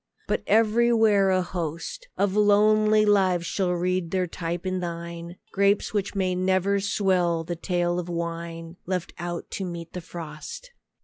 But everywhere a host Of lonely lives shall read their type in thine: Grapes which may never swell the tale of wine, Left out to meet the frost.